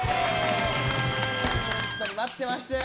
待ってましたよ！